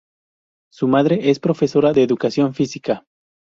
Su madre es profesora de educación física.